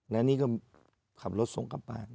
แล้วนี่ก็ขับรถส่งกลับบ้าน